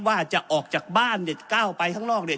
ว่าจะออกจากบ้านเนี่ยก้าวไปข้างนอกเนี่ย